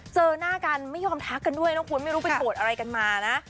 เจอหน้ากันไม่ยอมทักกันด้วยนะคุณไม่รู้ไปโกรธอะไรกันมานะ